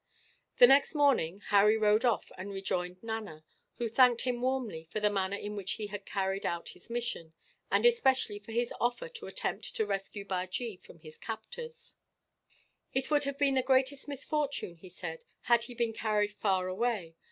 The next morning, Harry rode off and rejoined Nana, who thanked him warmly for the manner in which he had carried out his mission, and especially for his offer to attempt to rescue Bajee from his captors. "It would have been the greatest misfortune," he said, "had he been carried far away.